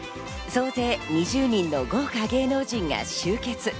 総勢２０人の豪華芸能人が集結。